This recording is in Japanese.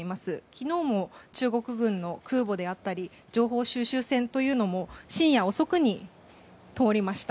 昨日も中国軍の空母であったり情報収集船というのも深夜遅くに通りました。